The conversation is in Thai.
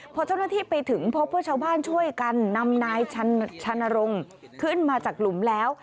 พอเจ้าหน้าที่ไปถึงพบว่าชาวบ้านช่วยกันนำนายชานรงค์ขึ้นมาจากหลุมแล้ว